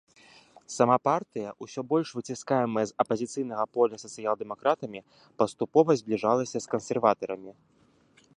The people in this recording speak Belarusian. Сама партыя, усё больш выціскаемая з апазіцыйнага поля сацыял-дэмакратамі, паступова збліжалася з кансерватарамі.